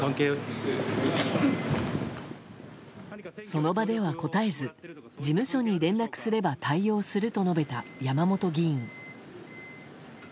その場では答えず事務所に連絡すれば対応すると述べた山本議員。